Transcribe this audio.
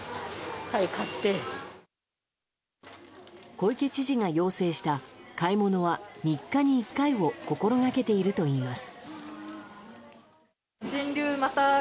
小池知事が要請した買い物は３日に１回を心がけているといいます。